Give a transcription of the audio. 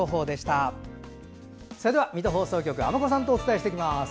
それでは水戸放送局尼子さんとお伝えします。